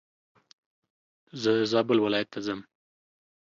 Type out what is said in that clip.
زه زابل ولايت ته ځم.